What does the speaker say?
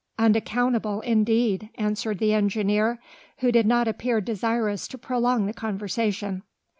"Unaccountable indeed," answered the engineer, who did not appear desirous to prolong the conversation.